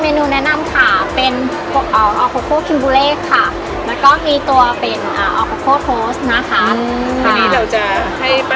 โอ้อันนี้ออกมาเปรี้ยวแล้วหวานลองน้ำเปรี้ยวนิดเปรี้ยวกว่า